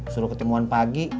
suruh ketemuan pagi